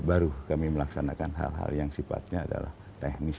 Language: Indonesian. baru kami melaksanakan hal hal yang sifatnya adalah teknis untuk penanganan perkara